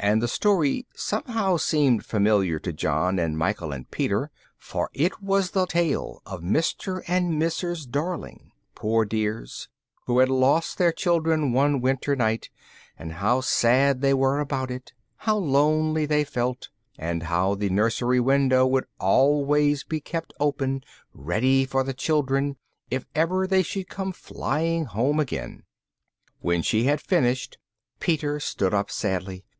And the story somehow seemed familiar to John, and Michael, and Peter, for it was the tale of Mr. and Mrs. Darling, poor dears, who had lost their children one winter night; and how sad they were about it, how lonely they felt, and how the nursery window would always be kept open, ready for the children, if ever they should come flying home again. When she had finished, Peter stood up sadly.